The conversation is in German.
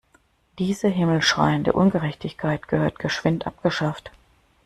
Diese himmelschreiende Ungerechtigkeit gehört geschwind abgeschafft.